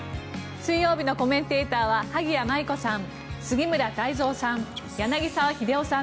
水曜日のコメンテーターは萩谷麻衣子さん、杉村太蔵さん